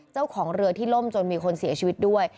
เจ้าของเรือที่ล่มจนมีคนเสียชีวิตด้วย